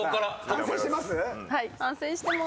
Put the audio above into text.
反省してます？